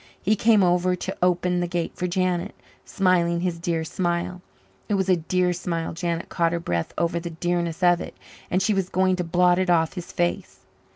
He came over to open the gate for Janet, smiling his dear smile. It was a dear smile Janet caught her breath over the dearness of it and she was going to blot it off his face.